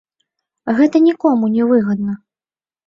Гэта нікому не выгадна.